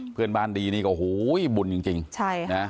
เพื่อนบ้านดีนี่ก็โห้ยบุญจริงจริงใช่ฮะนะฮะ